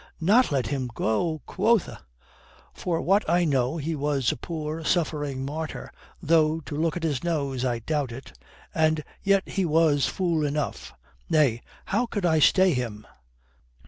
"Not let him go, quotha! For what I know, he was a poor, suffering martyr, though to look at his nose, I doubt it. And yet he was fool enough. Nay, how could I stay him?"